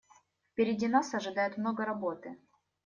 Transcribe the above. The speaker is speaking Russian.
Впереди нас ожидает много работы.